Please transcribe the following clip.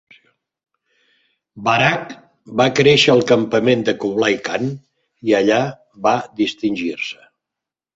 Baraq va créixer al campament de Kublai Khan i allà va distingir-se.